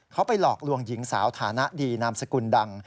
เขาไปหลอกลวงหญิงสาวฐานะดีนามสกุลดัง